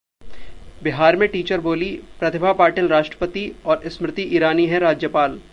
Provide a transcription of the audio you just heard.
बिहार में टीचर बोली -प्रतिभा पाटिल राष्ट्रपति और स्मृति ईरानी हैं राज्यपाल